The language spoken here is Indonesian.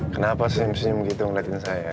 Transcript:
kenapa senyum senyum gitu ngeliatin saya